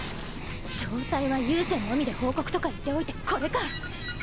詳細は有線のみで報告とか言っておいてこれか。